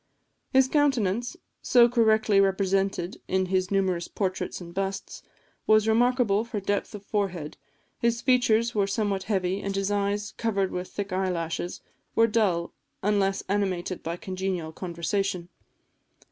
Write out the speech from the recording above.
His countenance, so correctly represented in his numerous portraits and busts, was remarkable for depth of forehead; his features were somewhat heavy, and his eyes, covered with thick eyelashes, were dull, unless animated by congenial conversation.